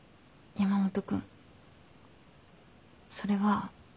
山本君それは。